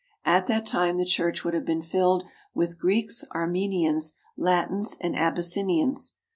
At that time the church would have been filled with Greeks, Armenians, Latins, and Abyssinians.